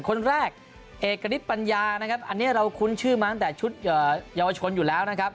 คนแรกเอกณิตปัญญานะครับอันนี้เราคุ้นชื่อมาตั้งแต่ชุดเยาวชนอยู่แล้วนะครับ